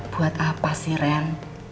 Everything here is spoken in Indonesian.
buat apa sih ren